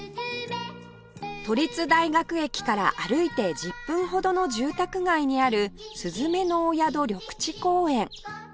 都立大学駅から歩いて１０分ほどの住宅街にあるすずめのお宿緑地公園